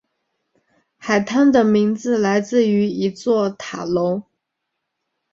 海滩的名字来自于一座塔楼。